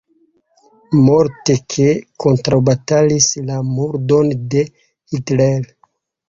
Moltke kontraŭbatalis la murdon de Hitler.